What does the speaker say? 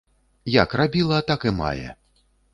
Як рабіла, так і мае!